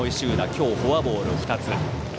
今日、フォアボール２つ。